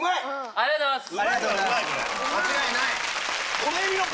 ありがとうございます。